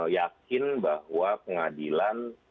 yakin bahwa pengadilan